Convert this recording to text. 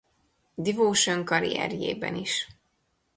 Devotion karrierjében is.